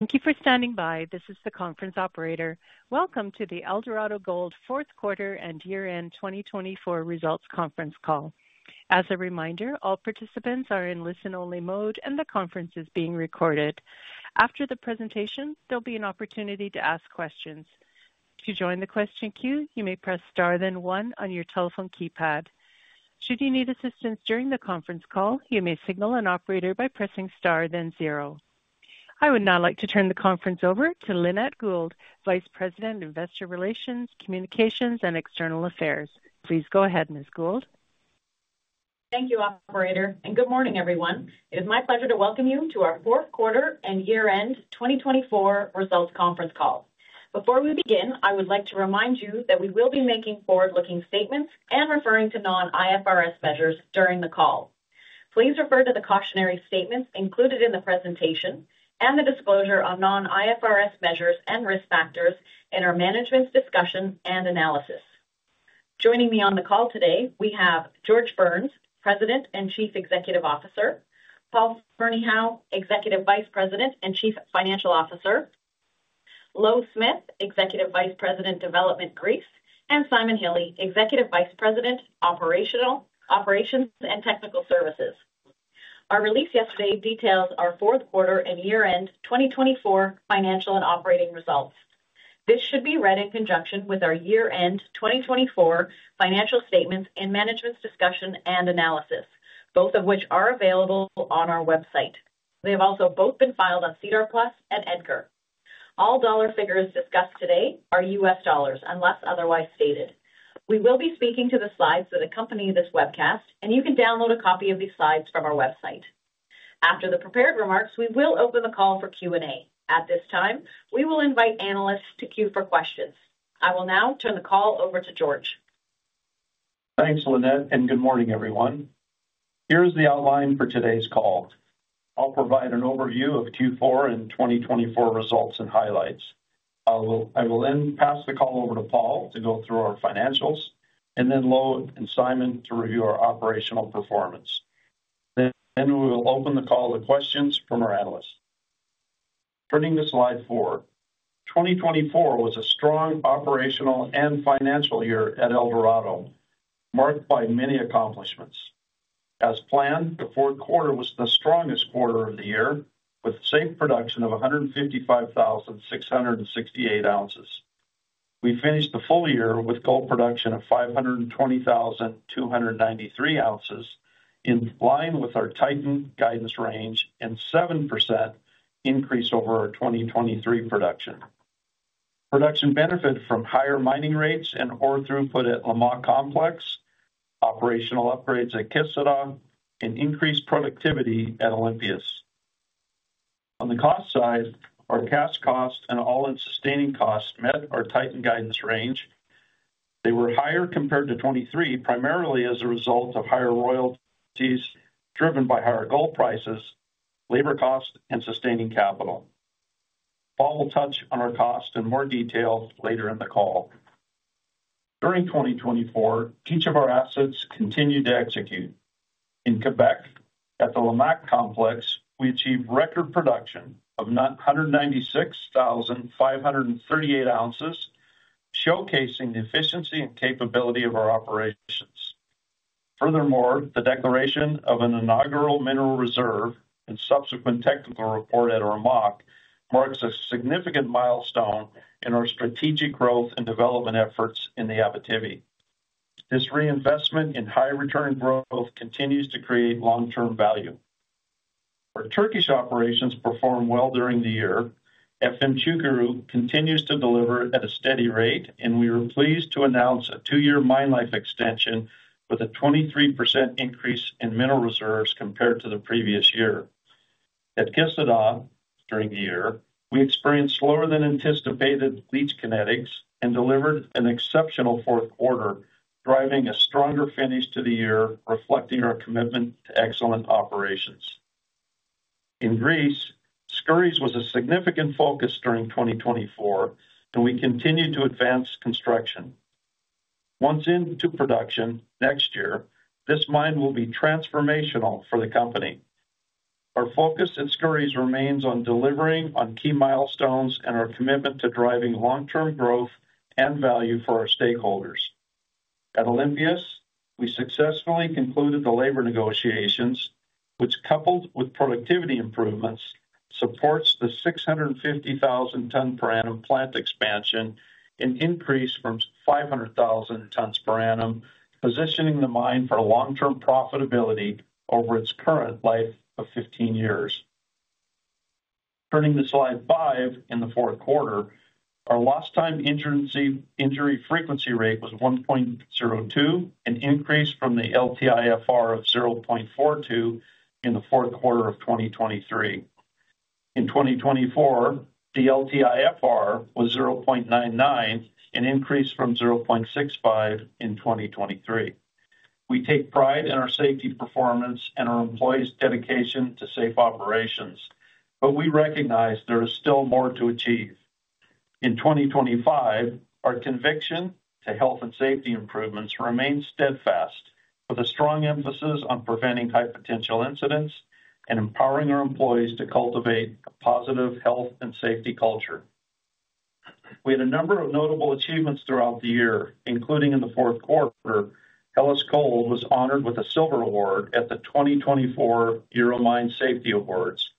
Thank you for standing by. This is the conference operator. Welcome to the Eldorado Gold fourth quarter and year-end 2024 results conference call. As a reminder, all participants are in listen-only mode, and the conference is being recorded. After the presentation, there'll be an opportunity to ask questions. To join the question queue, you may press star then one on your telephone keypad. Should you need assistance during the conference call, you may signal an operator by pressing star then zero. I would now like to turn the conference over to Lynette Gould, Vice President, Investor Relations, Communications, and External Affairs. Please go ahead, Ms. Gould. Thank you, Operator, and good morning, everyone. It is my pleasure to welcome you to our fourth quarter and year-end 2024 results conference call. Before we begin, I would like to remind you that we will be making forward-looking statements and referring to non-IFRS measures during the call. Please refer to the cautionary statements included in the presentation and the disclosure on non-IFRS measures and risk factors in our management's discussion and analysis. Joining me on the call today, we have George Burns, President and Chief Executive Officer, Paul Ferneyhough, Executive Vice President and Chief Financial Officer, Louw Smith, Executive Vice President, Development, Greece, and Simon Hille, Executive Vice President, Operations and Technical Services. Our release yesterday details our fourth quarter and year-end 2024 financial and operating results. This should be read in conjunction with our year-end 2024 financial statements and management's discussion and analysis, both of which are available on our website. They have also both been filed on SEDAR+ and EDGAR. All dollar figures discussed today are U.S. dollars unless otherwise stated. We will be speaking to the slides that accompany this webcast, and you can download a copy of these slides from our website. After the prepared remarks, we will open the call for Q&A. At this time, we will invite analysts to queue for questions. I will now turn the call over to George. Thanks, Lynette, and good morning, everyone. Here is the outline for today's call. I'll provide an overview of Q4 and 2024 results and highlights. I will then pass the call over to Paul to go through our financials, and then Louw and Simon to review our operational performance. Then we will open the call to questions from our analysts. Turning to slide four, 2024 was a strong operational and financial year at Eldorado, marked by many accomplishments. As planned, the fourth quarter was the strongest quarter of the year, with safe production of 155,668 oz. We finished the full year with gold production of 520,293 oz, in line with our 2024 guidance range and 7% increase over our 2023 production. Production benefited from higher mining rates and ore throughput at Lamaque Complex, operational upgrades at Kışladağ, and increased productivity at Olympias. On the cost side, our cash cost and all-in sustaining costs met our tightened guidance range. They were higher compared to 2023, primarily as a result of higher royalties driven by higher gold prices, labor costs, and sustaining capital. Paul will touch on our cost in more detail later in the call. During 2024, each of our assets continued to execute. In Québec, at the Lamaque Complex, we achieved record production of 196,538 oz, showcasing the efficiency and capability of our operations. Furthermore, the declaration of an inaugural mineral reserve and subsequent technical report at our Ormaque marks a significant milestone in our strategic growth and development efforts in the Abitibi. This reinvestment in high-return growth continues to create long-term value. Our Turkish operations performed well during the year. Efemçukuru continues to deliver at a steady rate, and we are pleased to announce a two-year mine life extension with a 23% increase in mineral reserves compared to the previous year. At Kışladağ, during the year, we experienced slower-than-anticipated leach kinetics and delivered an exceptional fourth quarter, driving a stronger finish to the year, reflecting our commitment to excellent operations. In Greece, Skouries was a significant focus during 2024, and we continue to advance construction. Once into production next year, this mine will be transformational for the company. Our focus at Skouries remains on delivering on key milestones and our commitment to driving long-term growth and value for our stakeholders. At Olympias, we successfully concluded the labor negotiations, which, coupled with productivity improvements, supports the 650,000-ton-per-annum plant expansion, an increase from 500,000 tons per annum, positioning the mine for long-term profitability over its current life of 15 years. Turning to slide five in the fourth quarter, our lost-time injury frequency rate was 1.02, an increase from the LTIFR of 0.42 in the fourth quarter of 2023. In 2024, the LTIFR was 0.99, an increase from 0.65 in 2023. We take pride in our safety performance and our employees' dedication to safe operations, but we recognize there is still more to achieve. In 2025, our conviction to health and safety improvements remains steadfast, with a strong emphasis on preventing high-potential incidents and empowering our employees to cultivate a positive health and safety culture. We had a number of notable achievements throughout the year, including in the fourth quarter. Hellas Gold was honored with a silver award at the 2024 Euromines Safety Awards,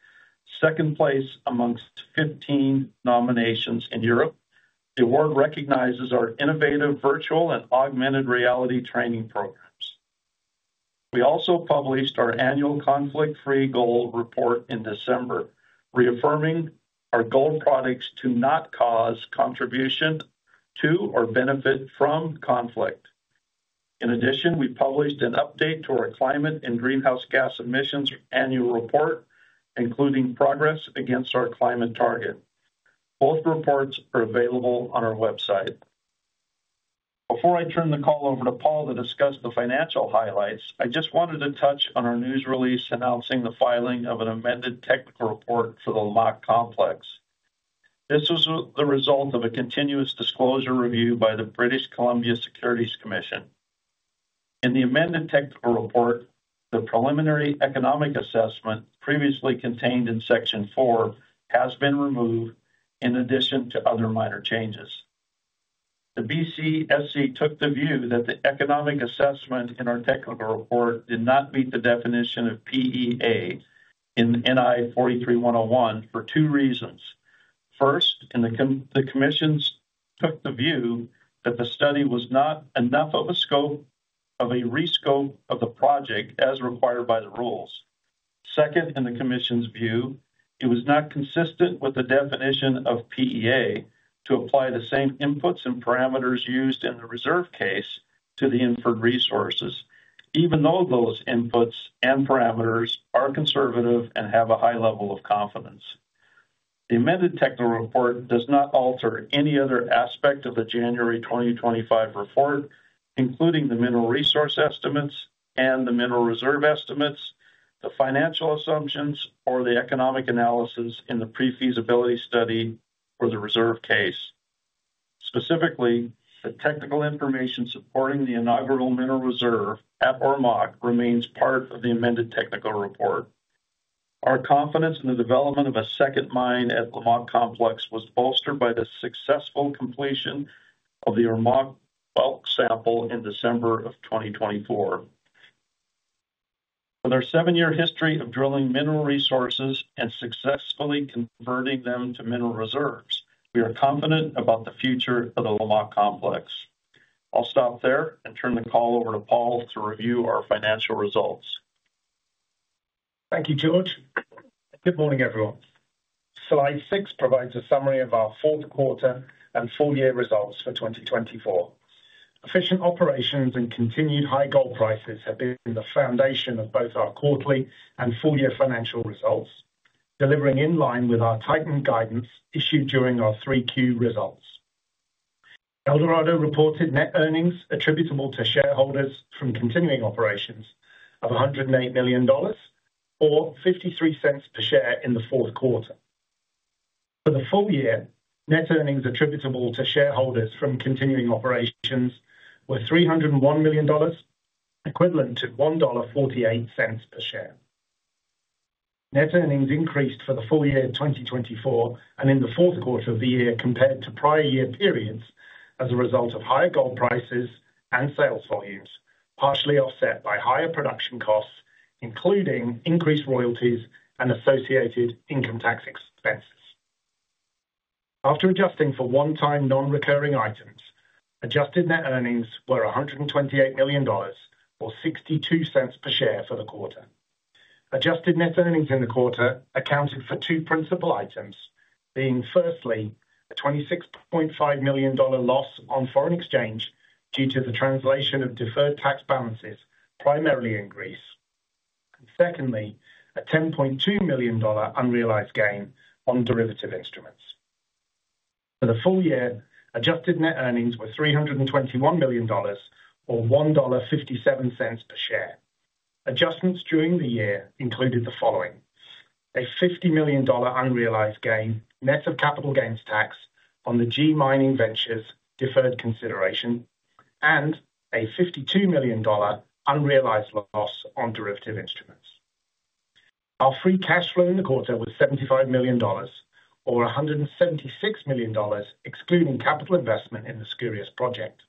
second place among 15 nominations in Europe. The award recognizes our innovative virtual and augmented reality training programs. We also published our annual conflict-free gold report in December, reaffirming our gold products do not cause contribution to or benefit from conflict. In addition, we published an update to our climate and greenhouse gas emissions annual report, including progress against our climate target. Both reports are available on our website. Before I turn the call over to Paul to discuss the financial highlights, I just wanted to touch on our news release announcing the filing of an amended technical report for the Lamaque Complex. This was the result of a continuous disclosure review by the British Columbia Securities Commission. In the amended technical report, the preliminary economic assessment previously contained in section four has been removed, in addition to other minor changes. The BCSC took the view that the economic assessment in our technical report did not meet the definition of PEA in NI 43-101 for two reasons. First, the Commission took the view that the study was not enough of a scope of a rescope of the project as required by the rules. Second, in the commission's view, it was not consistent with the definition of PEA to apply the same inputs and parameters used in the reserve case to the inferred resources, even though those inputs and parameters are conservative and have a high level of confidence. The amended technical report does not alter any other aspect of the January 2025 report, including the mineral resource estimates and the mineral reserve estimates, the financial assumptions, or the economic analysis in the pre-feasibility study for the reserve case. Specifically, the technical information supporting the inaugural mineral reserve at Ormaque remains part of the amended technical report. Our confidence in the development of a second mine at Lamaque Complex was bolstered by the successful completion of the Ormaque bulk sample in December of 2024. With our seven-year history of drilling mineral resources and successfully converting them to mineral reserves, we are confident about the future of the Lamaque Complex. I'll stop there and turn the call over to Paul to review our financial results. Thank you, George. Good morning, everyone. Slide six provides a summary of our fourth quarter and full-year results for 2024. Efficient operations and continued high gold prices have been the foundation of both our quarterly and full-year financial results, delivering in line with our tightened guidance issued during our three-Q results. Eldorado reported net earnings attributable to shareholders from continuing operations of $108 million, or $0.53 per share in the fourth quarter. For the full year, net earnings attributable to shareholders from continuing operations were $301 million, equivalent to $1.48 per share. Net earnings increased for the full year of 2024 and in the fourth quarter of the year compared to prior year periods as a result of higher gold prices and sales volumes, partially offset by higher production costs, including increased royalties and associated income tax expenses. After adjusting for one-time non-recurring items, adjusted net earnings were $128 million, or $0.62 per share for the quarter. Adjusted net earnings in the quarter accounted for two principal items, being firstly a $26.5 million loss on foreign exchange due to the translation of deferred tax balances primarily in Greece, and secondly a $10.2 million unrealized gain on derivative instruments. For the full year, adjusted net earnings were $321 million, or $1.57 per share. Adjustments during the year included the following: a $50 million unrealized gain net of capital gains tax on the G Mining Ventures deferred consideration, and a $52 million unrealized loss on derivative instruments. Our free cash flow in the quarter was $75 million, or $176 million, excluding capital investment in the Skouries project.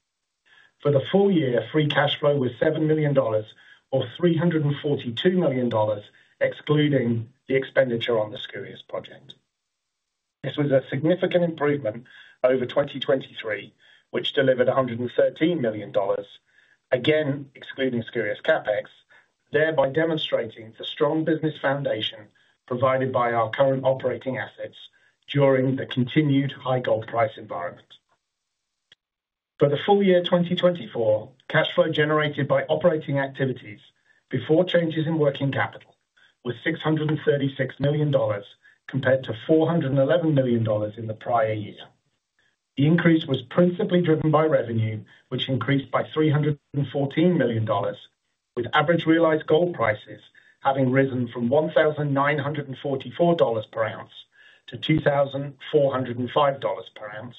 For the full year, free cash flow was $7 million, or $342 million, excluding the expenditure on the Skouries project. This was a significant improvement over 2023, which delivered $113 million, again excluding Skouries CapEx, thereby demonstrating the strong business foundation provided by our current operating assets during the continued high gold price environment. For the full year 2024, cash flow generated by operating activities before changes in working capital was $636 million, compared to $411 million in the prior year. The increase was principally driven by revenue, which increased by $314 million, with average realized gold prices having risen from $1,944 per oz to $2,405 per oz,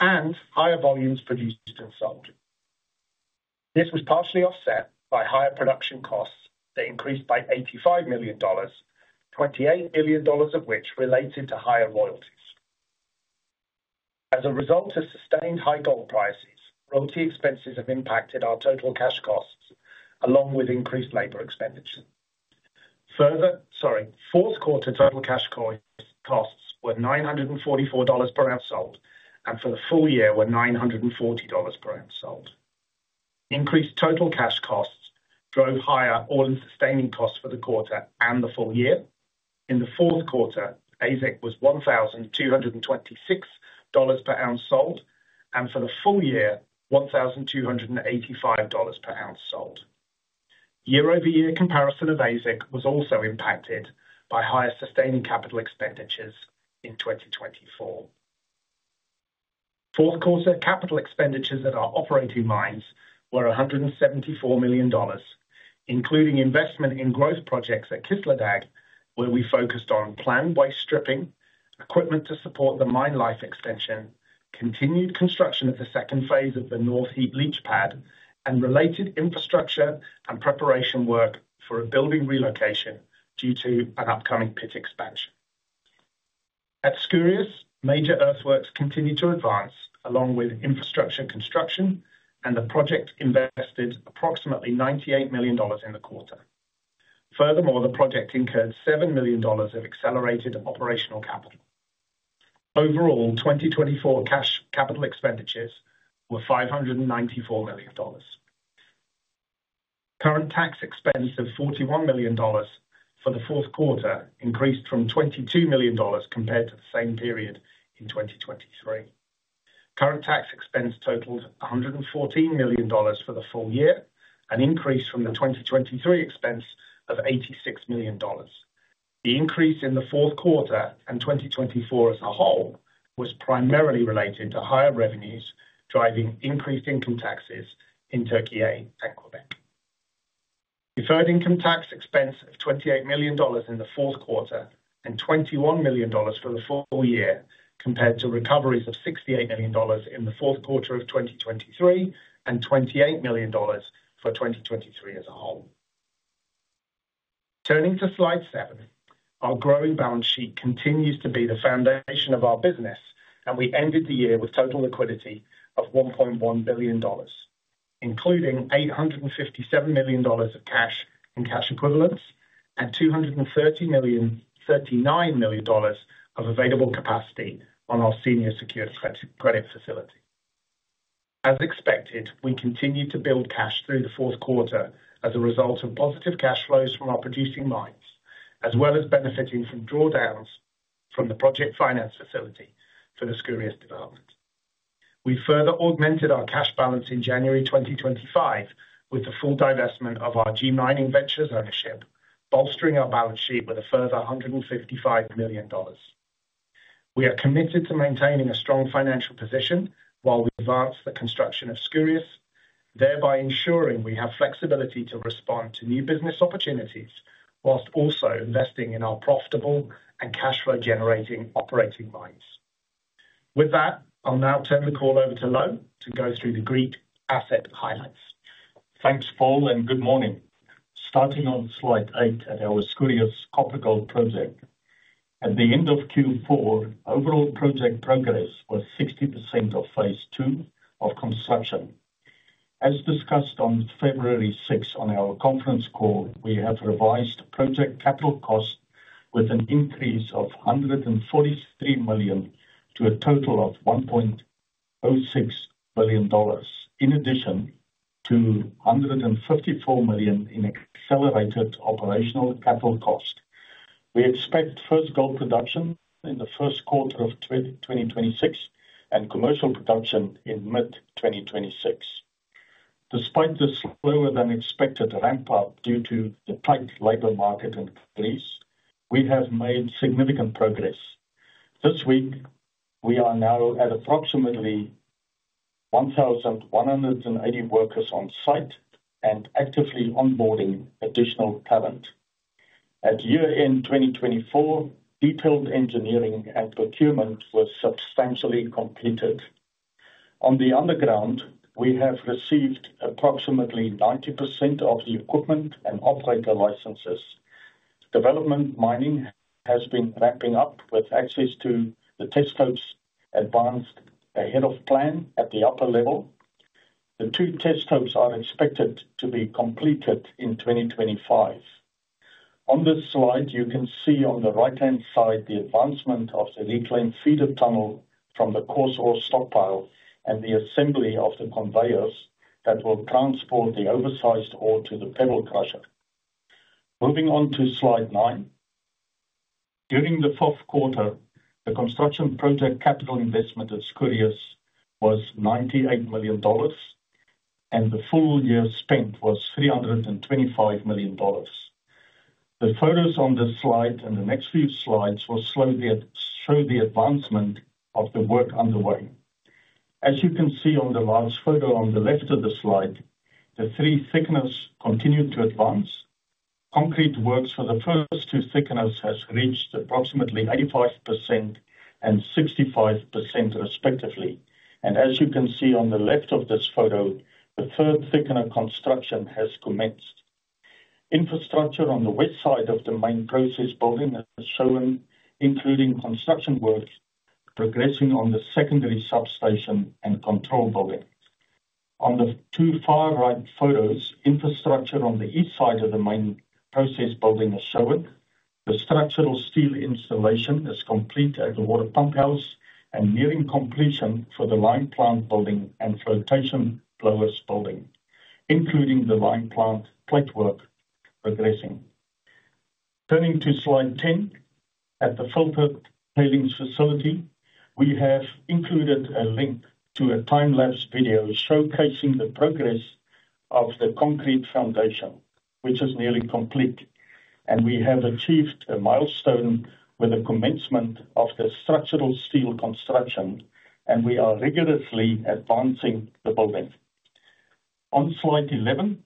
and higher volumes produced and sold. This was partially offset by higher production costs that increased by $85 million, $28 million of which related to higher royalties. As a result of sustained high gold prices, royalty expenses have impacted our total cash costs, along with increased labor expenditure. Further, sorry, fourth quarter total cash costs were $944 per oz sold, and for the full year were $940 per oz sold. Increased total cash costs drove higher oil and sustaining costs for the quarter and the full year. In the fourth quarter, AISC was $1,226 per oz sold, and for the full year, $1,285 per oz sold. Year-over-year comparison of AISC was also impacted by higher sustaining capital expenditures in 2024. Fourth quarter capital expenditures at our operating mines were $174 million, including investment in growth projects at Kışladağ, where we focused on planned waste stripping, equipment to support the mine life extension, continued construction of the second phase of the North Heap Leach Pad, and related infrastructure and preparation work for a building relocation due to an upcoming pit expansion. At Skouries, major earthworks continued to advance, along with infrastructure construction, and the project invested approximately $98 million in the quarter. Furthermore, the project incurred $7 million of accelerated operational capital. Overall, 2024 cash capital expenditures were $594 million. Current tax expense of $41 million for the fourth quarter increased from $22 million compared to the same period in 2023. Current tax expense totaled $114 million for the full year, an increase from the 2023 expense of $86 million. The increase in the fourth quarter and 2024 as a whole was primarily related to higher revenues driving increased income taxes in Türkiye and Québec. Deferred income tax expense of $28 million in the fourth quarter and $21 million for the full year compared to recoveries of $68 million in the fourth quarter of 2023 and $28 million for 2023 as a whole. Turning to slide seven, our growing balance sheet continues to be the foundation of our business, and we ended the year with total liquidity of $1.1 billion, including $857 million of cash and cash equivalents and $239 million of available capacity on our senior secured credit facility. As expected, we continue to build cash through the fourth quarter as a result of positive cash flows from our producing mines, as well as benefiting from drawdowns from the project finance facility for the Skouries development. We further augmented our cash balance in January 2025 with the full divestment of our G Mining Ventures ownership, bolstering our balance sheet with a further $155 million. We are committed to maintaining a strong financial position while we advance the construction of Skouries, thereby ensuring we have flexibility to respond to new business opportunities whilst also investing in our profitable and cash flow-generating operating mines. With that, I'll now turn the call over to Louw to go through the Greek asset highlights. Thanks, Paul, and good morning. Starting on slide eight at our Skouries copper-gold project, at the end of Q4, overall project progress was 60% of phase two of construction. As discussed on February 6 on our conference call, we have revised project capital costs with an increase of $143 million to a total of $1.06 billion, in addition to $154 million in accelerated operational capital costs. We expect first gold production in the first quarter of 2026 and commercial production in mid-2026. Despite the slower than expected ramp-up due to the tight labor market in Skouries, we have made significant progress. This week, we are now at approximately 1,180 workers on site and actively onboarding additional talent. At year-end 2024, detailed engineering and procurement were substantially completed. On the underground, we have received approximately 90% of the equipment and operator licenses. Development mining has been ramping up with access to the test holes advanced ahead of plan at the upper level. The two test holes are expected to be completed in 2025. On this slide, you can see on the right-hand side the advancement of the reclaimed feeder tunnel from the coarse ore stockpile and the assembly of the conveyors that will transport the oversized ore to the pebble crusher. Moving on to slide nine, during the fourth quarter, the construction project capital investment at Skouries was $98 million, and the full year spent was $325 million. The photos on this slide and the next few slides will slowly show the advancement of the work underway. As you can see on the large photo on the left of the slide, the three thickeners continue to advance. Concrete works for the first two thickeners have reached approximately 85% and 65% respectively. As you can see on the left of this photo, the third thickener construction has commenced. Infrastructure on the west side of the main process building is shown, including construction work progressing on the secondary substation and control building. On the two far right photos, infrastructure on the east side of the main process building is shown. The structural steel installation is complete at the water pump house and nearing completion for the lime plant building and flotation blowers building, including the lime plant plate work progressing. Turning to slide 10, at the filtered tailings facility, we have included a link to a time-lapse video showcasing the progress of the concrete foundation, which is nearly complete, and we have achieved a milestone with the commencement of the structural steel construction, and we are rigorously advancing the building. On slide 11,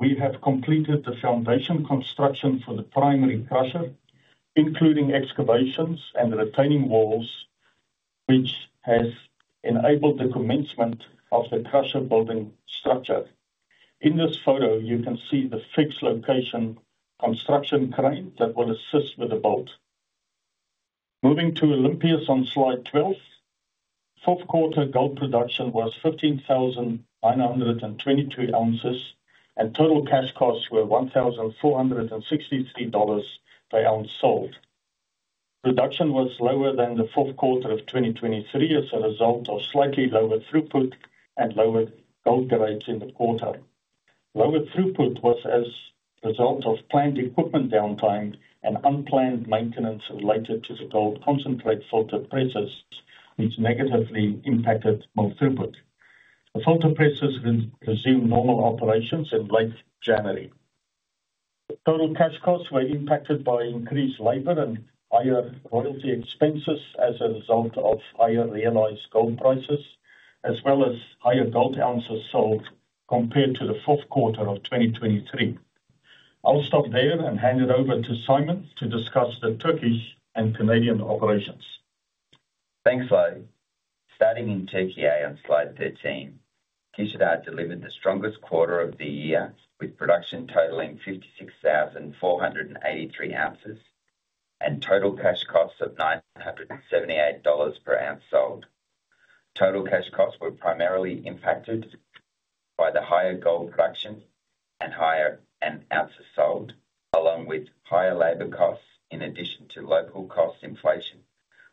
we have completed the foundation construction for the primary crusher, including excavations and retaining walls, which has enabled the commencement of the crusher building structure. In this photo, you can see the fixed location construction crane that will assist with the build. Moving to Olympias on slide 12, fourth quarter gold production was 15,922 oz, and total cash costs were $1,463 per oz sold. Production was lower than the fourth quarter of 2023 as a result of slightly lower throughput and lower gold grades in the quarter. Lower throughput was as a result of planned equipment downtime and unplanned maintenance related to the gold concentrate filter presses, which negatively impacted ore throughput. The filter presses resumed normal operations in late January. Total Cash Costs were impacted by increased labor and higher royalty expenses as a result of higher realized gold prices, as well as higher gold ounces sold compared to the fourth quarter of 2023. I'll stop there and hand it over to Simon to discuss the Turkish and Canadian operations. Thanks, Louw. Starting in Türkiye on slide 13, Kışladağ delivered the strongest quarter of the year with production totaling 56,483 oz and total cash costs of $978 per oz sold. Total cash costs were primarily impacted by the higher gold production and higher ounces sold, along with higher labor costs in addition to local cost inflation,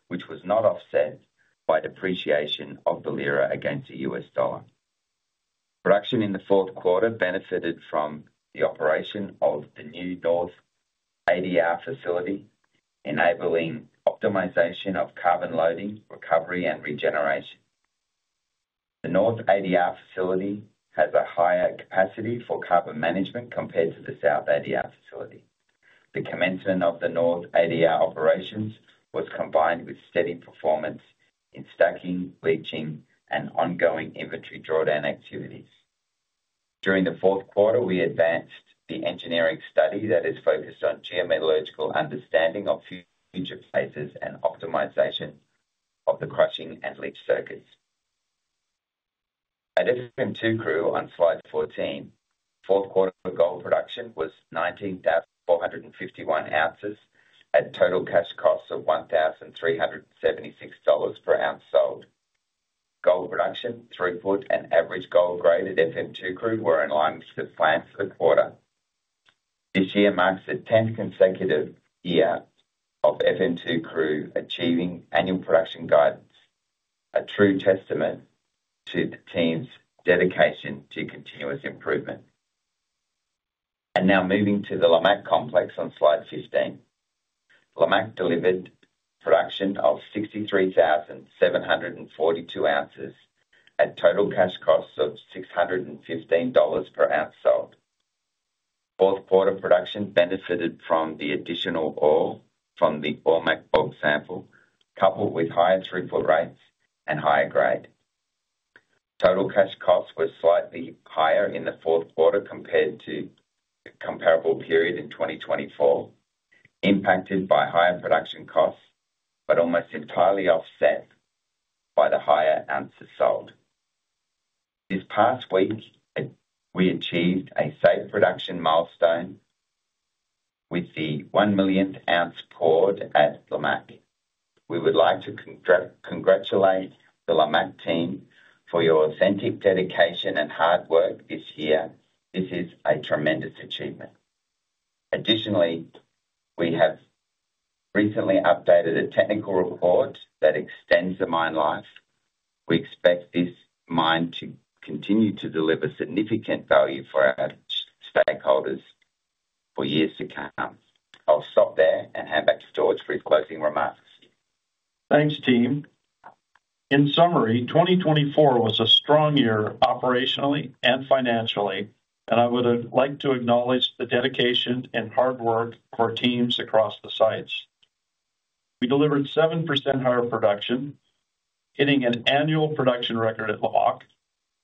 which was not offset by depreciation of the lira against the U.S. dollar. Production in the fourth quarter benefited from the operation of the new North ADR facility, enabling optimization of carbon loading, recovery, and regeneration. The North ADR facility has a higher capacity for carbon management compared to the South ADR facility. The commencement of the North ADR operations was combined with steady performance in stacking, leaching, and ongoing inventory drawdown activities. During the fourth quarter, we advanced the engineering study that is focused on geometallurgical understanding of future phases and optimization of the crushing and leach circuits. At FM2 crew on slide 14, fourth quarter gold production was 19,451 oz at total cash costs of $1,376 per oz sold. Gold production, throughput, and average gold grade at FM2 crew were in line with the plan for the quarter. This year marks the tenth consecutive year of FM2 crew achieving annual production guidance, a true testament to the team's dedication to continuous improvement. And now moving to the Lamaque complex on slide 15, Lamaque delivered production of 63,742 oz at total cash costs of $615 per oz sold. Fourth quarter production benefited from the additional ore from the Ormaque ore sample, coupled with higher throughput rates and higher grade. Total cash costs were slightly higher in the fourth quarter compared to a comparable period in 2024, impacted by higher production costs but almost entirely offset by the higher ounces sold. This past week, we achieved a safe production milestone with the one millionth ounce poured at Lamaque. We would like to congratulate the Lamaque team for your authentic dedication and hard work this year. This is a tremendous achievement. Additionally, we have recently updated a technical report that extends the mine life. We expect this mine to continue to deliver significant value for our stakeholders for years to come. I'll stop there and hand back to George for his closing remarks. Thanks, team. In summary, 2024 was a strong year operationally and financially, and I would like to acknowledge the dedication and hard work of our teams across the sites. We delivered 7% higher production, hitting an annual production record at Lamaque,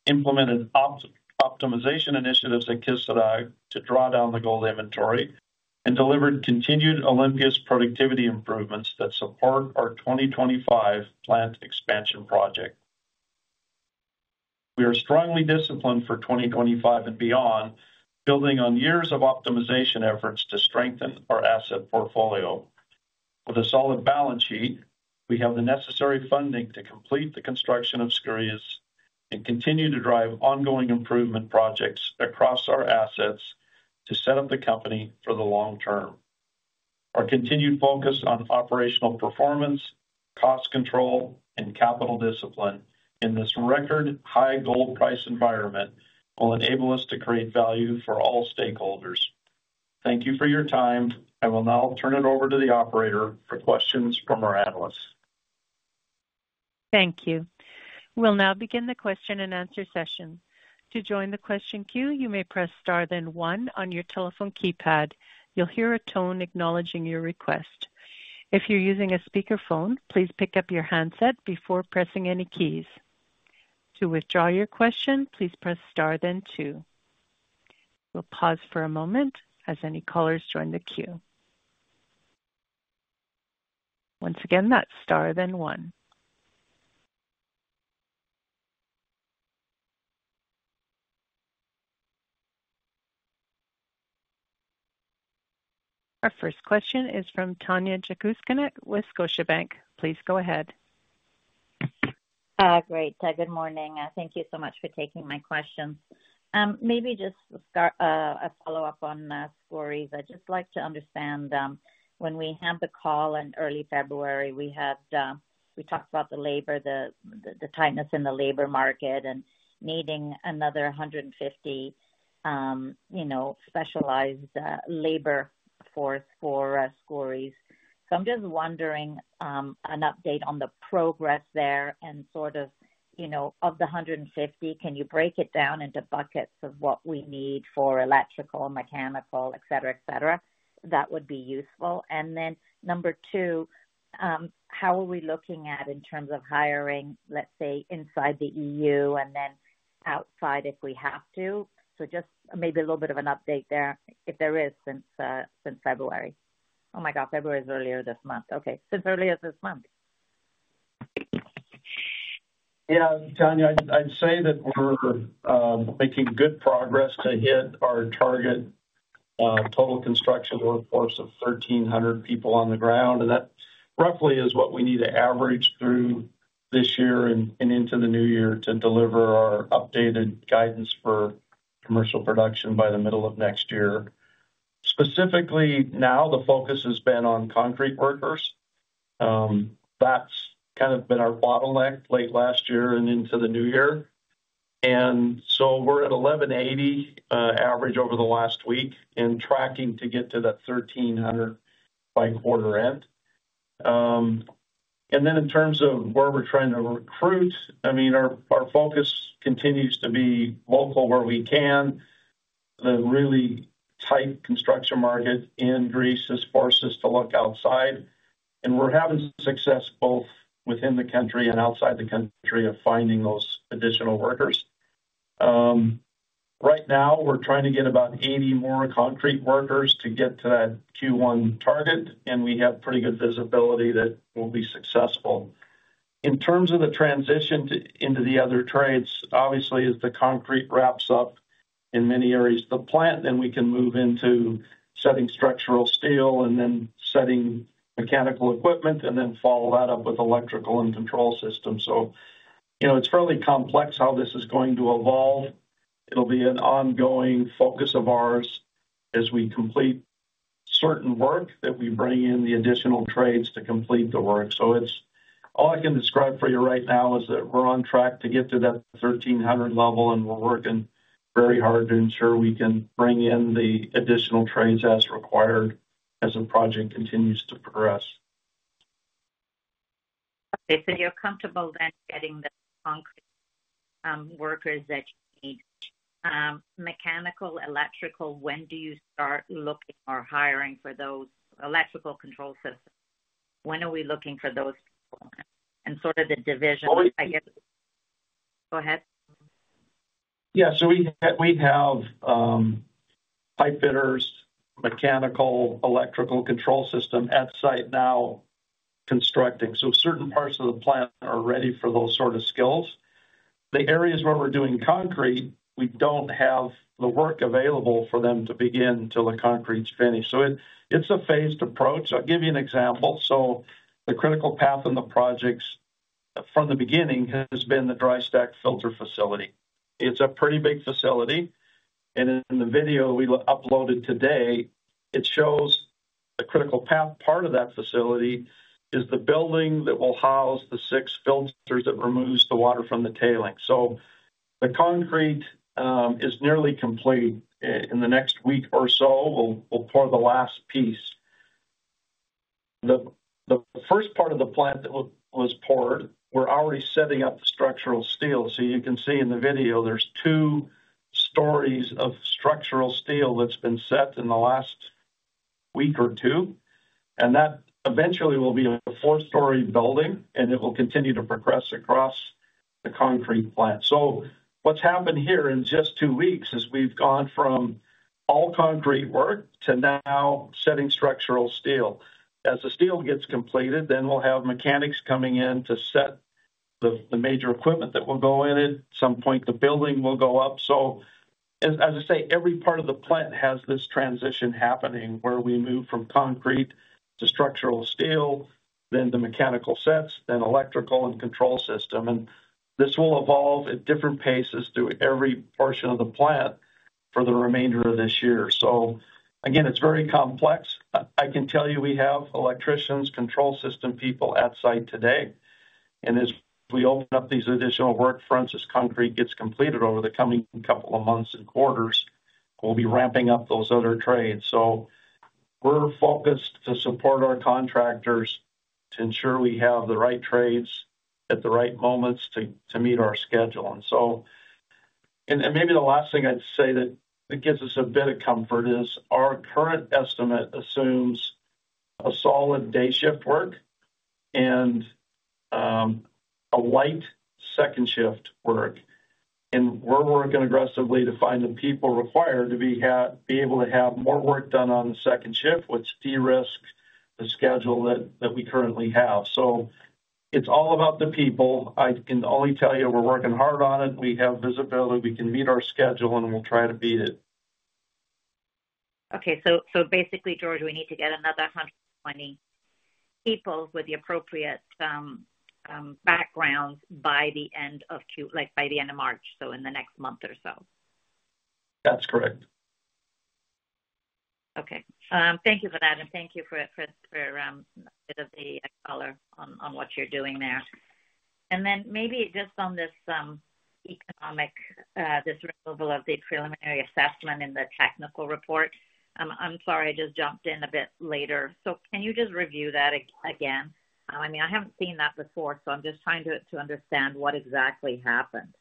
implemented optimization initiatives at Kışladağ to draw down the gold inventory, and delivered continued Olympias productivity improvements that support our 2025 plant expansion project. We are strongly disciplined for 2025 and beyond, building on years of optimization efforts to strengthen our asset portfolio. With a solid balance sheet, we have the necessary funding to complete the construction of Skouries and continue to drive ongoing improvement projects across our assets to set up the company for the long term. Our continued focus on operational performance, cost control, and capital discipline in this record high gold price environment will enable us to create value for all stakeholders. Thank you for your time. I will now turn it over to the operator for questions from our analysts. Thank you. We'll now begin the question and answer session. To join the question queue, you may press star then one on your telephone keypad. You'll hear a tone acknowledging your request. If you're using a speakerphone, please pick up your handset before pressing any keys. To withdraw your question, please press star then two. We'll pause for a moment as any callers join the queue. Once again, that's star then one. Our first question is from Tanya Jakusconek with Scotiabank. Please go ahead. Great. Good morning. Thank you so much for taking my question. Maybe just a follow-up on Skouries. I'd just like to understand, when we had the call in early February, we talked about the labor, the tightness in the labor market, and needing another 150 specialized labor force for Skouries. So I'm just wondering an update on the progress there and sort of, of the 150, can you break it down into buckets of what we need for electrical, mechanical, etc., etc.? That would be useful. And then number two, how are we looking at in terms of hiring, let's say, inside the EU and then outside if we have to? So just maybe a little bit of an update there, if there is, since February. Oh my God, February is earlier this month. Okay. Since earlier this month. Yeah, Tanya, I'd say that we're making good progress to hit our target total construction workforce of 1,300 people on the ground, and that roughly is what we need to average through this year and into the new year to deliver our updated guidance for commercial production by the middle of next year. Specifically, now the focus has been on concrete workers. That's kind of been our bottleneck late last year and into the new year. And so we're at 1,180 average over the last week and tracking to get to that 1,300 by quarter end. And then in terms of where we're trying to recruit, I mean, our focus continues to be local where we can. The really tight construction market in Greece has forced us to look outside, and we're having success both within the country and outside the country of finding those additional workers. Right now, we're trying to get about 80 more concrete workers to get to that Q1 target, and we have pretty good visibility that we'll be successful. In terms of the transition into the other trades, obviously, as the concrete wraps up in many areas of the plant, then we can move into setting structural steel and then setting mechanical equipment and then follow that up with electrical and control systems. So it's fairly complex how this is going to evolve. It'll be an ongoing focus of ours as we complete certain work that we bring in the additional trades to complete the work. So all I can describe for you right now is that we're on track to get to that 1,300 level, and we're working very hard to ensure we can bring in the additional trades as required as the project continues to progress. Okay, so you're comfortable then getting the concrete workers that you need. Mechanical, electrical, when do you start looking or hiring for those electrical control systems? When are we looking for those people? And sort of the division, I guess. Oh, yeah. Go ahead. Yeah. So we have pipe fitters, mechanical, electrical control system at site now constructing. So certain parts of the plant are ready for those sort of skills. The areas where we're doing concrete, we don't have the work available for them to begin till the concrete's finished. So it's a phased approach. I'll give you an example. So the critical path in the projects from the beginning has been the Dry Stack Filter Facility. It's a pretty big facility. And in the video we uploaded today, it shows the critical path part of that facility is the building that will house the six filters that removes the water from the tailings. So the concrete is nearly complete. In the next week or so, we'll pour the last piece. The first part of the plant that was poured, we're already setting up the structural steel. You can see in the video, there's two stories of structural steel that's been set in the last week or two. That eventually will be a four-story building, and it will continue to progress across the concrete plant. What's happened here in just two weeks is we've gone from all concrete work to now setting structural steel. As the steel gets completed, then we'll have mechanics coming in to set the major equipment that will go in at some point. The building will go up. As I say, every part of the plant has this transition happening where we move from concrete to structural steel, then the mechanical sets, then electrical and control system. This will evolve at different paces through every portion of the plant for the remainder of this year. Again, it's very complex. I can tell you we have electricians, control system people at site today. And as we open up these additional work fronts, as concrete gets completed over the coming couple of months and quarters, we'll be ramping up those other trades. So we're focused to support our contractors to ensure we have the right trades at the right moments to meet our schedule. And maybe the last thing I'd say that gives us a bit of comfort is our current estimate assumes a solid day shift work and a light second shift work. And we're working aggressively to find the people required to be able to have more work done on the second shift, which de-risked the schedule that we currently have. So it's all about the people. I can only tell you we're working hard on it. We have visibility. We can meet our schedule, and we'll try to beat it. Okay. Basically, George, we need to get another 120 people with the appropriate backgrounds by the end of Q, by the end of March, so in the next month or so. That's correct. Okay. Thank you for that. And thank you for a bit of the color on what you're doing there. And then maybe just on this economic, this removal of the preliminary assessment in the technical report. I'm sorry, I just jumped in a bit later. So can you just review that again? I mean, I haven't seen that before, so I'm just trying to understand what exactly happened.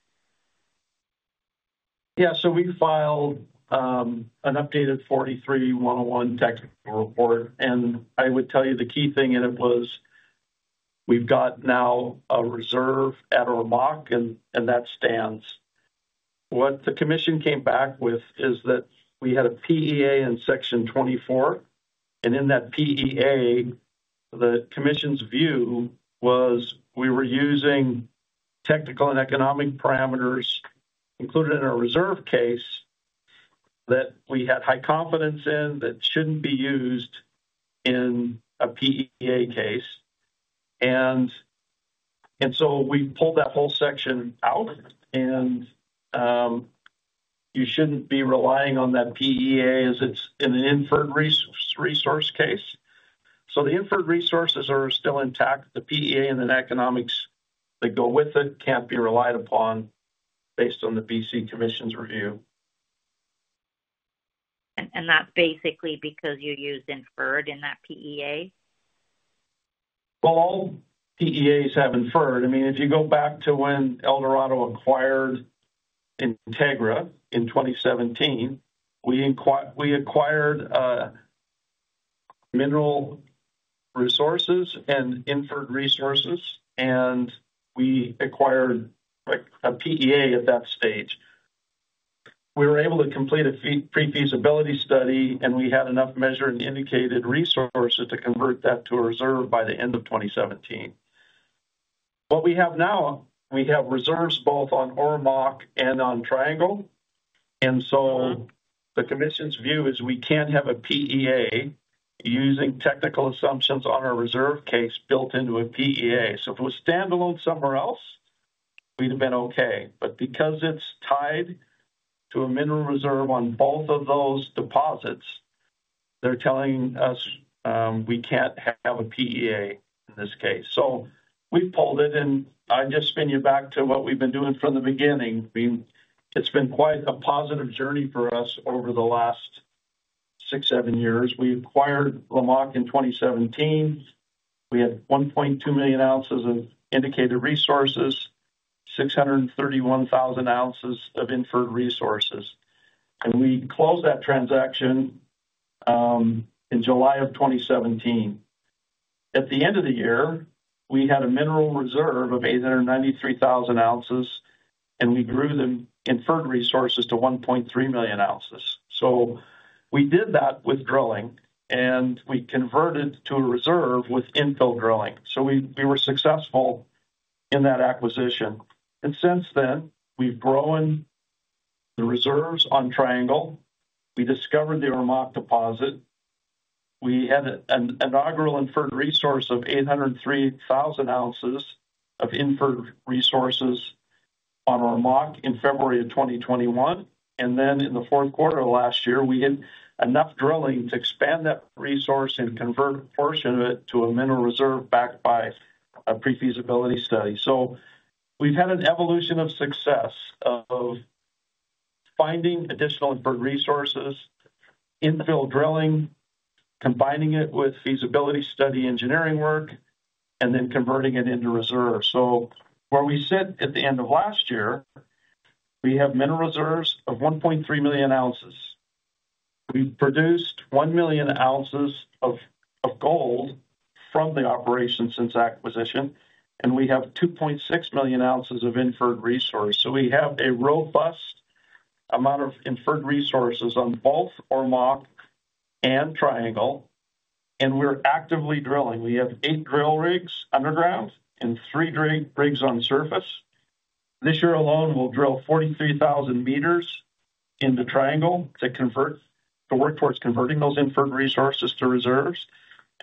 Yeah. So we filed an updated 43-101 technical report, and I would tell you the key thing in it was we've got now a reserve at Ormaque, and that stands. What the commission came back with is that we had a PEA in section 24, and in that PEA, the commission's view was we were using technical and economic parameters included in a reserve case that we had high confidence in that shouldn't be used in a PEA case, and so we pulled that whole section out, and you shouldn't be relying on that PEA as it's in an inferred resource case, so the inferred resources are still intact. The PEA and then economics that go with it can't be relied upon based on the BCSC Commission's review. That's basically because you used inferred in that PEA? All PEAs have inferred. I mean, if you go back to when Eldorado acquired Integra in 2017, we acquired mineral resources and inferred resources, and we acquired a PEA at that stage. We were able to complete a pre-feasibility study, and we had enough measured and indicated resources to convert that to a reserve by the end of 2017. What we have now, we have reserves both on our Ormaque and on Triangle, and so the commission's view is we can't have a PEA using technical assumptions on our reserve case built into a PEA, so if it was standalone somewhere else, we'd have been okay, but because it's tied to a mineral reserve on both of those deposits, they're telling us we can't have a PEA in this case, so we've pulled it, and I just point you back to what we've been doing from the beginning. I mean, it's been quite a positive journey for us over the last six, seven years. We acquired Lamaque in 2017. We had 1.2 million oz of indicated resources, 631,000 oz of inferred resources. We closed that transaction in July of 2017. At the end of the year, we had a mineral reserve of 893,000 oz, and we grew the inferred resources to 1.3 million oz. We did that with drilling, and we converted to a reserve with infill drilling. We were successful in that acquisition. Since then, we've grown the reserves on Triangle. We discovered the Ormaque deposit. We had an inaugural inferred resource of 803,000 oz of inferred resources on Ormaque in February of 2021. Then in the fourth quarter of last year, we had enough drilling to expand that resource and convert a portion of it to a mineral reserve backed by a pre-feasibility study. We've had an evolution of success of finding additional inferred resources, infill drilling, combining it with feasibility study engineering work, and then converting it into reserves. Where we sit at the end of last year, we have mineral reserves of 1.3 million oz. We've produced one million oz of gold from the operation since acquisition, and we have 2.6 million oz of inferred resource. We have a robust amount of inferred resources on both our Ormaque and Triangle, and we're actively drilling. We have eight drill rigs underground and three rigs on surface. This year alone, we'll drill 43,000 meters into Triangle to work towards converting those inferred resources to reserves.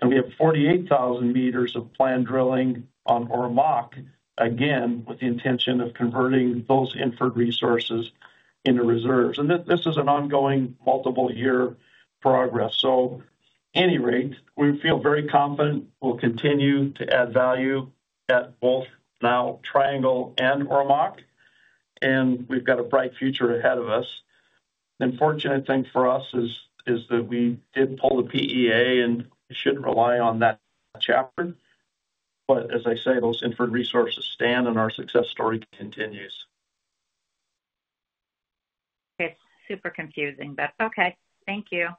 We have 48,000 meters of planned drilling on our Ormaque, again, with the intention of converting those inferred resources into reserves. This is an ongoing multiple-year progress. At any rate, we feel very confident we'll continue to add value at both our Triangle and Ormaque, and we've got a bright future ahead of us. The unfortunate thing for us is that we did pull the PEA, and we shouldn't rely on that chapter. As I say, those inferred resources stand, and our success story continues. It's super confusing, but okay. Thank you.